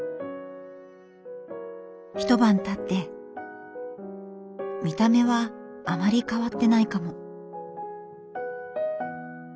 １晩たって見た目はあまり変わってないかも。